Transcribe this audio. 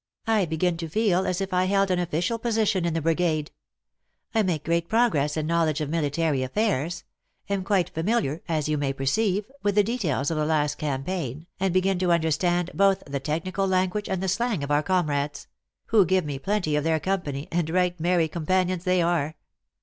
I begin to feel as if I held an of ficial position in the brigade. I make great progress in knowledge of military affairs am quite familiar, as you may perceive, with the details of the last cam paign, and begin to understand both the technical language and the slang of our comrades ; who give me plenty of their company, and right merry com panions they are.